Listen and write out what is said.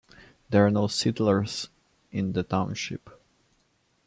There are no Settlers in the Township.